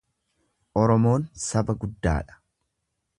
oromoon saba guddaadha.